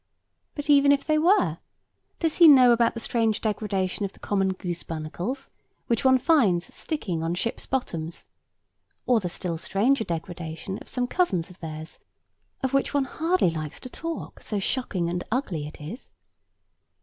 But even if they were, does he know about the strange degradation of the common goose barnacles, which one finds sticking on ships' bottoms; or the still stranger degradation of some cousins of theirs, of which one hardly likes to talk, so shocking and ugly it is?